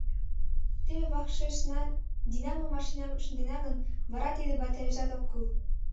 Теве вакшешна динамо-машинам шындена гын, вара тиде батарейжат ок кӱл.